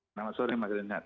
selamat sore mas renat